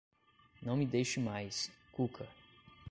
Não me deixe mais, Cuca!